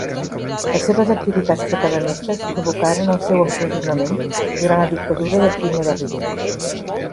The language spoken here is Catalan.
Les seves activitats catalanistes provocaren el seu empresonament durant la dictadura de Primo de Rivera.